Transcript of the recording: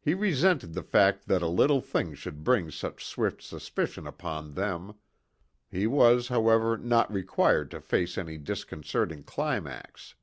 He resented the fact that a little thing should bring such swift suspicion upon them. He was, however, not required to face any disconcerting climax.